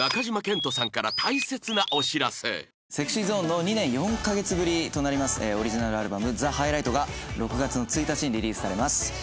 ＳｅｘｙＺｏｎｅの２年４カ月ぶりとなりますオリジナルアルバム『ザ・ハイライト』が６月の１日にリリースされます。